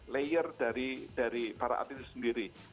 layer dari para atlet itu sendiri